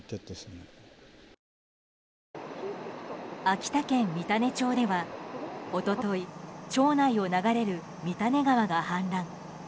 秋田県三種町では一昨日町内を流れる三種川が氾濫。